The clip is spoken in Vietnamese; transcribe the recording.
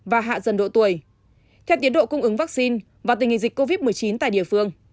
và hạ dần độ tuổi theo tiến độ cung ứng vaccine và tình hình dịch covid một mươi chín tại địa phương